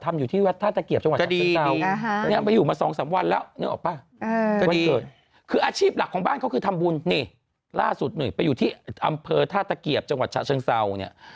หรือว่าเขาให้ลูก๘๑ไปปฏิบัติทำอยู่ที่ท่าตะเกียบจังหวัดชะเชิงเซา